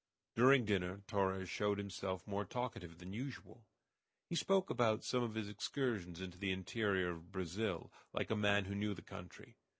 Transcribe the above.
During dinner Torres showed himself more talkative than usual. He spoke about some of his excursions into the interior of Brazil like a man who knew the country.